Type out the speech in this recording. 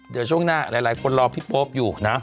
เดี๋ยวช่วงหน้าหลายคนรอพี่โป๊ปอยู่นะ